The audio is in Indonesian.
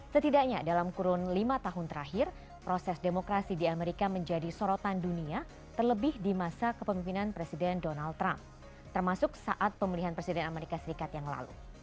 setidaknya dalam kurun lima tahun terakhir proses demokrasi di amerika menjadi sorotan dunia terlebih di masa kepemimpinan presiden donald trump termasuk saat pemilihan presiden amerika serikat yang lalu